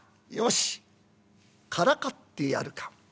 よしからかってやるか」。